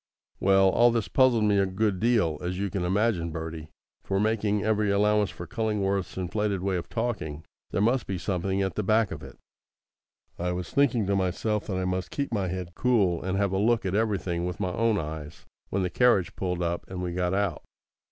Well, all this puzzled me a good deal, as you can imagine, Bertie; for, making every allowance for Cullingworth's inflated way of talking, there must be something at the back of it. I was thinking to myself that I must keep my head cool, and have a look at everything with my own eyes, when the carriage pulled up and we got out.